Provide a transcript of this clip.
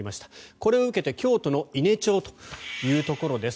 これを受けて京都の伊根町というところです。